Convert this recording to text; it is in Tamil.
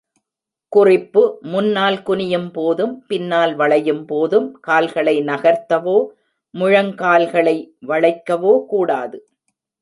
குறிப்பு முன்னால் குனியும் போதும், பின்னால் வளையும் போதும் கால்களை நகர்த்தவோ, முழங்கால்களை வளைக்கவோ கூடாது.